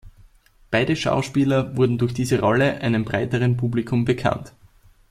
Beide Schauspieler wurden durch diese Rollen einem breiteren Publikum bekannt.